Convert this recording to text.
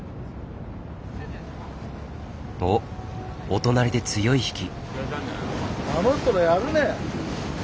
おっお隣で強い引き。